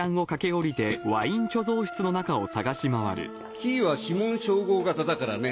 キーは指紋照合型だからね。